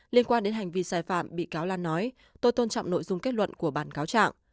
liên quan đến hành vi sai phạm bị cáo lan nói tôi tôn trọng nội dung kết luận của bản cáo trạng